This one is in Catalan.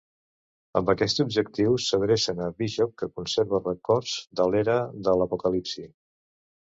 Amb aquest objectiu, s'adrecen a Bishop, que conserva records de l'Era de l'Apocalipsi.